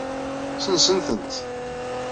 Sensen-tent.